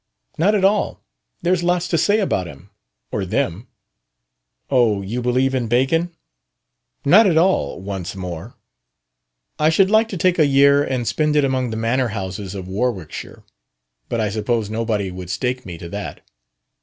"Not at all. There's lots to say about him or them." "Oh, you believe in Bacon!" "Not at all once more. I should like to take a year and spend it among the manor houses of Warwickshire. But I suppose nobody would stake me to that."